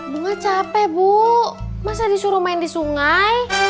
bu gak capek bu masa disuruh main di sungai